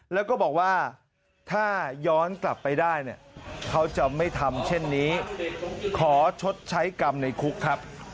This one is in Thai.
แล้วก็บอกว่าถ้าย้อนกลับไปได้เนี่ยเขาจะไม่ทำเช่นนี้ขอชดใช้กรรมในคุกครับ